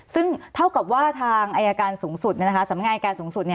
ซึ่งเท่ากับว่าทางสำนักงานอายการสูงสุด